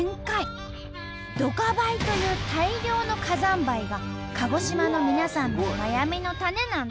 「ドカ灰」という大量の火山灰が鹿児島の皆さんの悩みの種なんと。